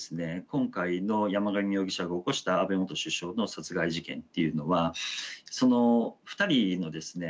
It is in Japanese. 今回の山上容疑者が起こした安倍元首相の殺害事件っていうのはその２人のですね